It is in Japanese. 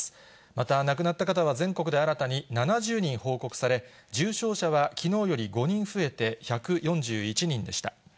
また亡くなった方は全国で新たに７０人報告され、重症者はきのうより５人増えて１４１人でした。